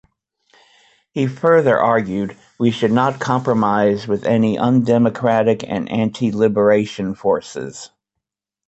He further argued, We should not compromise with any undemocratic and anti-liberation forces.